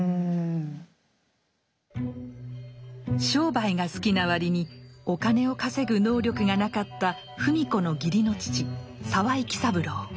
商売が好きな割にお金を稼ぐ能力がなかった芙美子の義理の父沢井喜三郎。